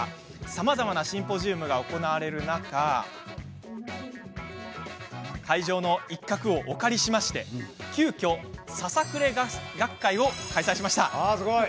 さまざまなシンポジウムが行われる中会場の一角をお借りしまして急きょ、ささくれ学会を開催。